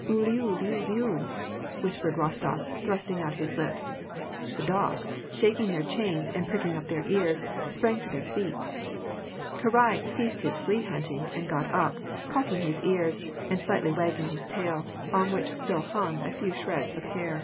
Uliuliuliu I " whispered Rostof, thrusting out his lips. The dogs, shaking their chains, and pricking up their ears, sprang to their feet. Karai ceased his flea hunting, and got up, cock ing his ears, and slightly wagging his tail, on which stul hung a few shreds of hair.